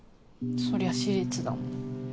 そりゃ私立だもん